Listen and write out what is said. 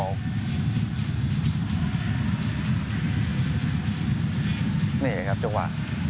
นี่ครับจังหวะ